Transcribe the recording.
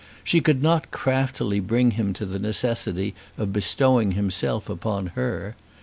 She could not craftily bring him to the necessity of bestowing himself upon her.